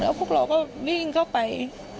พวกเราก็วิ่งเข้าไป